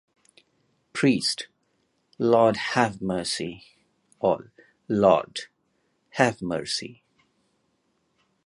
Priest: Lord, have mercy. All: Lord, have mercy.